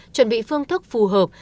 chuẩn bị phương thức phù hợp